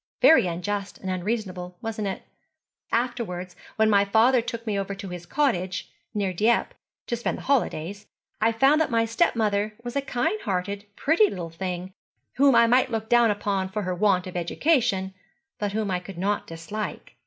Very unjust and unreasonable, wasn't it? Afterwards, when my father took me over to his cottage, near Dieppe, to spend my holidays, I found that my stepmother was a kind hearted, pretty little thing, whom I might look down upon for her want of education, but whom I could not dislike.